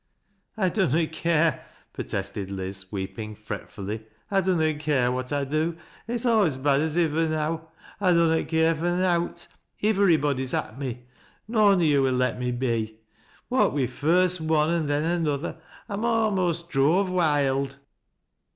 " I dunnot care," protested Liz, weeping fretfully. " I dunnot care what I do. It's aw as bad as ivver now. 1 dunnot care for nowt. Ivverybody's at me — ^noan on yo' will let me a be. What wi' first one an' then another I'm a'most drove wild."